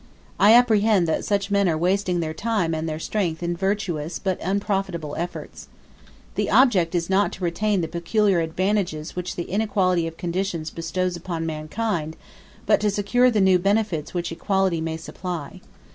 I apprehend that such men are wasting their time and their strength in virtuous but unprofitable efforts. The object is not to retain the peculiar advantages which the inequality of conditions bestows upon mankind, but to secure the new benefits which equality may supply.